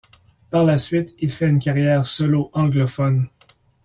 Par la suite, il fait une carrière solo anglophone.